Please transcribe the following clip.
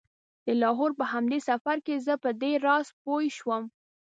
د لاهور په همدې سفر کې زه په دې راز پوی شوم.